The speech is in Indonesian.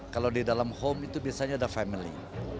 kalau di dalam home itu biasanya ada family